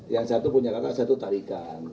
yang satu punya kata satu tarikan